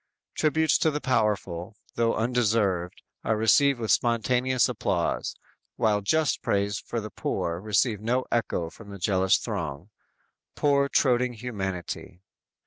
Tributes to the powerful, though undeserved, are received with spontaneous applause, while just praise for the poor receive no echo from the jealous throng. Poor, toadying humanity!